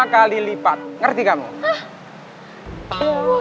kali lipat ngerti kamu hah